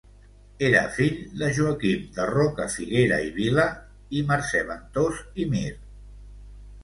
Era fill de Joaquim de Rocafiguera i Vila i Mercè Ventós i Mir.